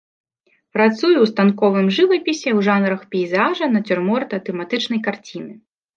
Працуе ў станковым жывапісе ў жанрах пейзажа, нацюрморта, тэматычнай карціны.